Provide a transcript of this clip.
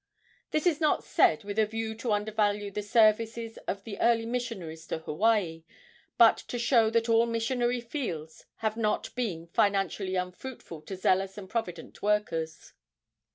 This is not said with a view to undervalue the services of the early missionaries to Hawaii, but to show that all missionary fields have not been financially unfruitful to zealous and provident workers.